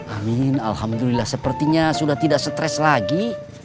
amin alhamdulillah sepertinya sudah tidak stres lagi